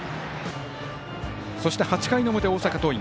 そして、８回の表、大阪桐蔭。